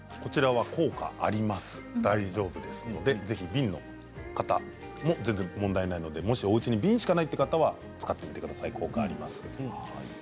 大丈夫ですのでぜひ瓶の方も問題ないのでおうちに瓶しかないという方使ってみてください。